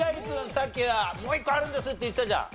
さっきもう一個あるんですって言ってたじゃん。